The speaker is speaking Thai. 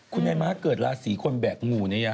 คุณนายม้าเกิดราศีคนแบกงูเนี่ย